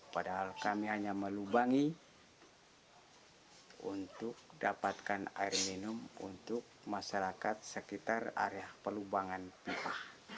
padahal kami hanya melubangi untuk dapatkan air minum untuk masyarakat sekitar area pelubangan pipa